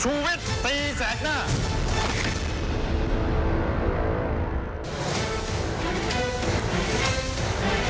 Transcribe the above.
ชูวิตตีแสงหน้า